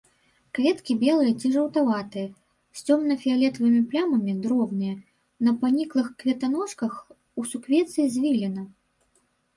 Кветкі белыя ці жаўтаватыя, з цёмна-фіялетавымі плямамі, дробныя, на паніклых кветаножках, у суквецці звіліна.